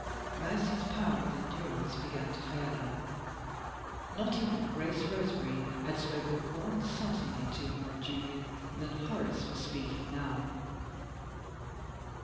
Mercy's power of endurance began to fail her. Not even Grace Roseberry had spoken more insultingly to her of Julian than Horace was speaking now.